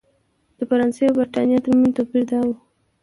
د فرانسې او برېټانیا ترمنځ توپیر دا و.